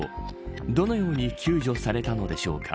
どのように救助されたのでしょうか。